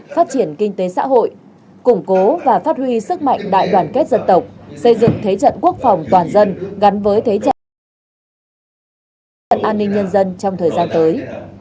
phát triển kinh tế xã hội củng cố và phát huy sức mạnh đại đoàn kết dân tộc xây dựng thế trận quốc phòng toàn dân gắn với thế trận an ninh nhân dân trong thời gian tới